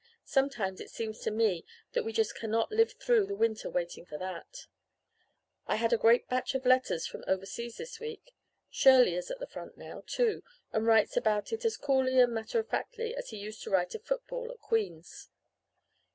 Sometimes it seems to me that we just cannot live through the winter waiting for that. "I had a great batch of letters from overseas this week. Shirley is at the front now, too, and writes about it all as coolly and matter of factly as he used to write of football at Queen's.